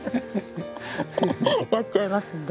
やっちゃいますので。